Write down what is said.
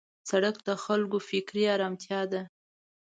سړک د خلکو فکري آرامتیا ده.